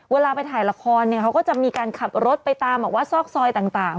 เวลาไปถ่ายละครเนี่ยเขาก็จะมีการขับรถไปตามแบบว่าซอกซอยต่าง